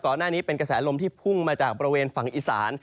ก่อนหน้านี้เป็นกระแสลมที่พุ่งมาจากประเวณฝั่งอิสาน